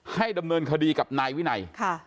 ให้ดำเนินคดีกับนายวินัย